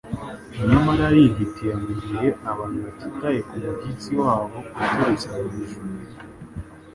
Nyamara arihitira mu gihe abantu batitaye ku mushyitsi wabo uturutse mu ijuru